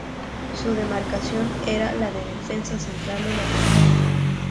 Su demarcación era la de defensa central o lateral.